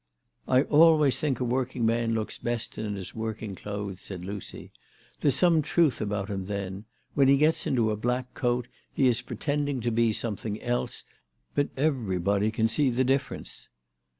" I always think a working man looks best in his working clothes," said Lucy. " There's some truth about him then. "When he gets into a black coat he is pretending to be something else, but everybody can see the difference."